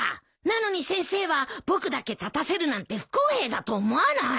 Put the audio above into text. なのに先生は僕だけ立たせるなんて不公平だと思わない？